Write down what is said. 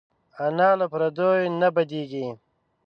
انا له پردیو نه بدېږي